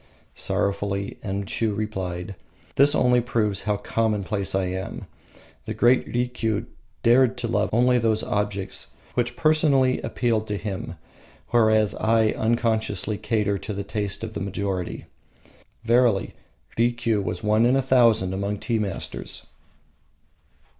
Sorrowfully Enshiu replied: "This only proves how commonplace I am. The great Rikiu dared to love only those objects which personally appealed to him, whereas I unconsciously cater to the taste of the majority. Verily, Rikiu was one in a thousand among tea masters."